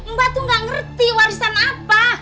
mbak tuh gak ngerti warisan apa